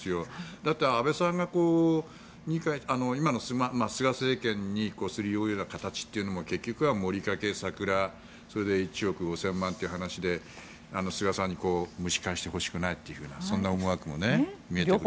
だって、安倍さんが今の菅政権にすり寄る形というのは結局はもりかけ問題、桜を見る会それで１億５０００万円という話で菅さんに蒸し返してほしくないという思惑も見えてくる。